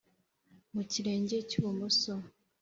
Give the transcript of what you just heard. Mu kirenge cy'ibumoso